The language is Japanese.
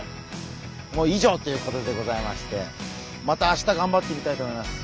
もう以上っていうことでございましてまたあしたがんばってみたいと思います。